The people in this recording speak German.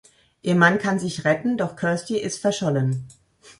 Ihr Mann kann sich retten, doch Kirsty ist verschollen.